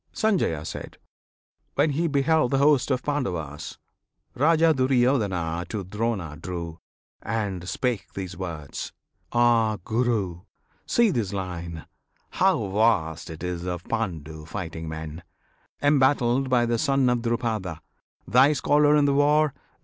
Sanjaya: When he beheld the host of Pandavas, Raja Duryodhana to Drona drew, And spake these words: "Ah, Guru! see this line, How vast it is of Pandu fighting men, Embattled by the son of Drupada, Thy scholar in the war!